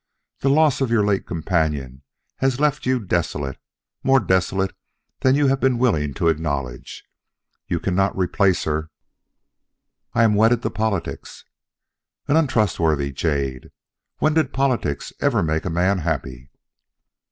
The loss of your late companion has left you desolate, more desolate than you have been willing to acknowledge. You cannot replace her " "I am wedded to politics." "An untrustworthy jade. When did politics ever make a man happy?"